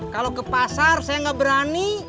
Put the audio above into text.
kalau ke pasar saya nggak berani